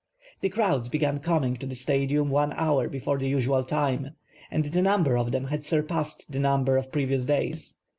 The crowds began coming to the Stadium one hour before the usual time and the number of them had surpassed the number of previous days.